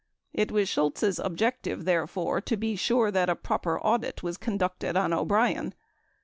It was Shultz' objective, therefore, to be sure that a proper audit was con ducted on O'Brien.